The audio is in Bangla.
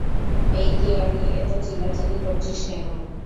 এই তিওয়ারি, এতো চিল্লাচিল্লি করচিস কেন?